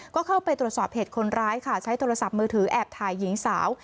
ก็เข้าไปตรวจสอบเหตุคนร้ายค่ะใช้โทรศัพท์มือถือแอบถ่ายหญิงสาว